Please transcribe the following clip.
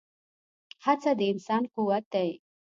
هڅه د انسان قوت دی.